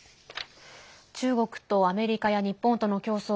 中国とアメリカや日本との競争